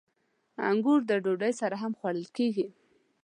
• انګور د ډوډۍ سره هم خوړل کېږي.